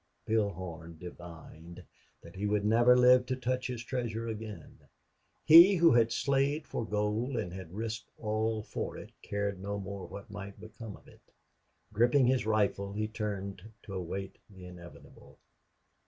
Bill Horn divined that he would never live to touch his treasure again. He who had slaved for gold and had risked all for it cared no more what might become of it. Gripping his rifle, he turned to await the inevitable.